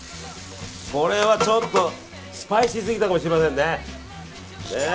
これはちょっとスパイシーすぎたかもしれません。